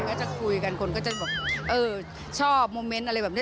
ก็จะคุยกันคนก็จะบอกเออชอบโมเมนต์อะไรแบบนี้